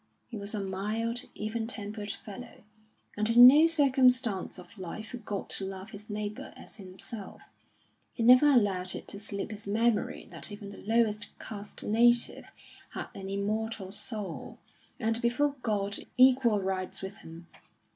He was a mild, even tempered fellow, and in no circumstance of life forgot to love his neighbour as himself; he never allowed it to slip his memory that even the lowest caste native had an immortal soul, and before God equal rights with him.